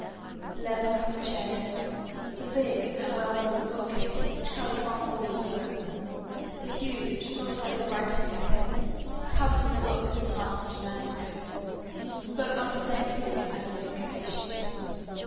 The leather covered chairs, the big and well filled bookcase which covered one wall of the room, the huge, solid oak writing desk, covered with books and half finished manuscripts, spoke unmistakably of its owner's occupation.